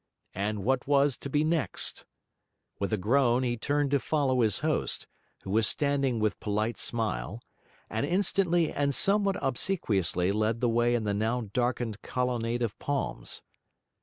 And what was to be next? With a groan he turned to follow his host, who was standing with polite smile, and instantly and somewhat obsequiously led the way in the now darkened colonnade of palms.